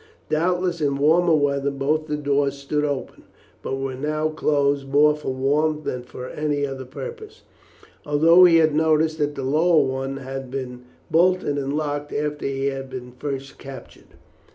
Doubtless in warmer weather both the doors stood open, but were now closed more for warmth than for any other purpose, although he had noticed that the lower one had been bolted and locked after he had been first captured.